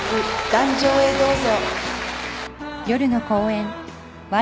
壇上へどうぞ。